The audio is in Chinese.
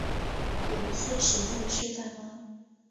有一些实际的示范吗